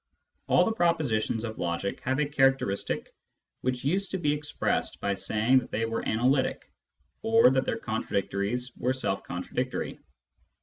All the propositions of logic have a characteristic which used to be expressed by saying that they were analytic, or that their contradictories were self ? contradictory.